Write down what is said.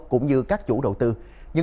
cũng như các chủ đầu tư